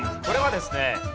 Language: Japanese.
これはですね